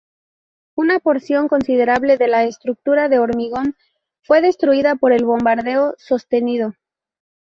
Una porción considerable de la estructura de hormigón fue destruida por el bombardeo sostenido.